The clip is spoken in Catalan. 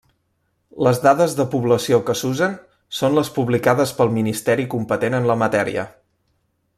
Les dades de població que s'usen són les publicades pel ministeri competent en la matèria.